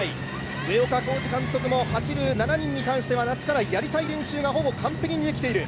上岡宏次監督も走る７人に関しては夏からやりたい練習がほぼ完璧にできている。